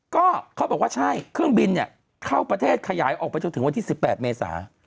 ก็เขาบอกว่าใช่เครื่องบินเนี่ยเข้าประเทศขยายออกไปจนถึงวันที่๑๘เมษา